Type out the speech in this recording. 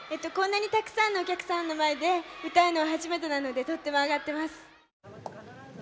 こんなにたくさんのお客さんの前で歌うのは初めてなのでとってもあがってます。